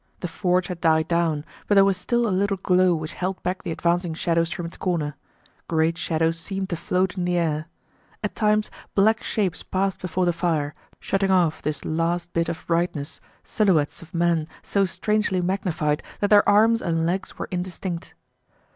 The forge had died down, but there was still a little glow which held back the advancing shadows from its corner. Great shadows seemed to float in the air. At times black shapes passed before the fire, shutting off this last bit of brightness, silhouettes of men so strangely magnified that their arms and legs were indistinct.